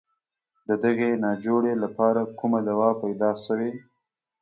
د دغې ناجوړې لپاره کومه دوا پیدا شوې.